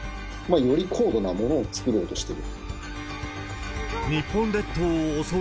より高度なものを作ろうとしている。